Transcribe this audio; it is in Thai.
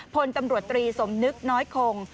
พลตำรวจตรีสมนึกน้อยคง